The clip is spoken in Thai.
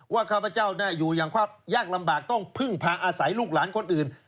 ข้าพเจ้าอยู่อย่างความยากลำบากต้องพึ่งพาอาศัยลูกหลานคนอื่น